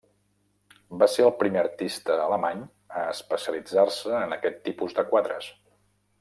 Va ser el primer artista alemany a especialitzar-se en aquest tipus de quadres.